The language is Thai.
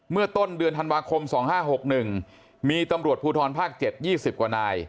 เมื่อต้นเดือนธันวาคม๒๕๖๑มีตำรวจภูทรภาค๗๒๐กว่านาย